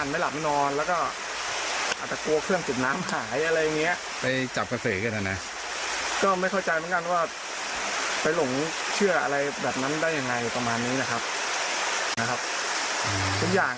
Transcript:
มันต้องมีเหตุและผลแล้วก็ต้องมีหลักฐาน